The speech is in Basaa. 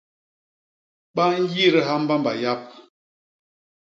Ba nyidha mbamba yap.